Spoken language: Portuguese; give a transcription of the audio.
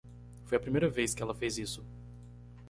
Foi a primeira vez que ela fez isso.